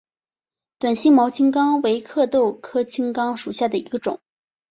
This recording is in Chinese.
短星毛青冈为壳斗科青冈属下的一个种。